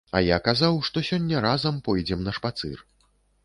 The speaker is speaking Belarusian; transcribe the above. А я казаў, што сёння разам пойдзем на шпацыр.